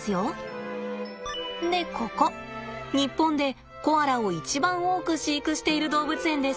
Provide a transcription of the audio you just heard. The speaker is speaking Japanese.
でここ日本でコアラを一番多く飼育している動物園です。